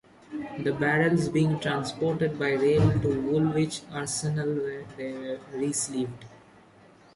The barrels being transported by rail to Woolwich Arsenal where they were re-sleeved.